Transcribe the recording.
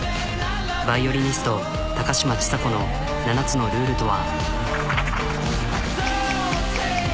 ヴァイオリニスト高嶋ちさ子の７つのルールとは？